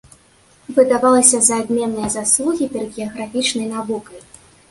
Выдавалася за адменныя заслугі перад геаграфічнай навукай.